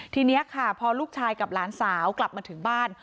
ทีนี้ค่ะพอลูกชายกับหลานสาวกลับมาถึงบ้าน